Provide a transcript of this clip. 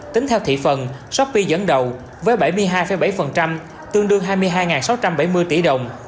tính theo thị phần shopee dẫn đầu với bảy mươi hai bảy tương đương hai mươi hai sáu trăm bảy mươi tỷ đồng